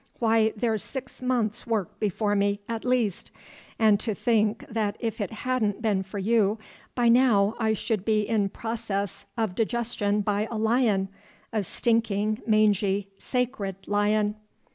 Why, there's six months' work before me, at least. And to think that if it hadn't been for you, by now I should be in process of digestion by a lion, a stinking, mangy, sacred lion!"